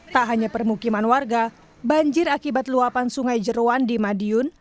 tak hanya permukiman warga banjir akibat luapan sungai jeruan di madiun